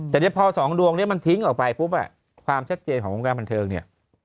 แต่เนี่ยพอสองดวงนี้มันทิ้งออกไปปุ๊บความชัดเจนของวงการบันเทิงเนี่ย